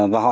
và họ làm